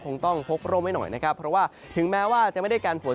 คงต้องพกร่มให้หน่อยนะครับเพราะว่าถึงแม้ว่าจะไม่ได้กันฝน